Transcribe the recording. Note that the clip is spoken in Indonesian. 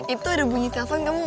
itu ada bunyi telepon kamu ngerti